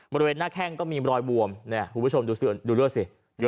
บริเวณหน้าแข้งก็มีรอยบวมเนี่ยคุณผู้ชมดูเลือดสิ